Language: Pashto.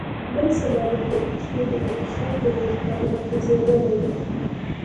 نن سبا د کرکټ لوبې ته د خلکو ډېر پام راگرځېدلی دی.